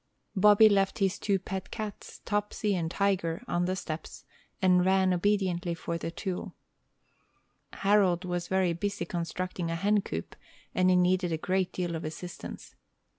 Bobby left his two pet cats, Topsy and Tiger, on the steps, and ran obediently for the tool. Harold was very busy constructing a hen coop, and he needed a great deal of assistance.